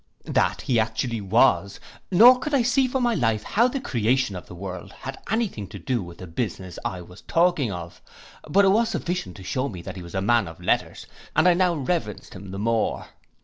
'—That he actually was; nor could I for my life see how the creation of the world had any thing to do with the business I was talking of; but it was sufficient to shew me that he was a man of letters, and I now reverenced him the more.